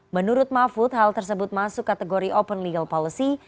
menurut mahfud hal tersebut masuk kategori open legal policy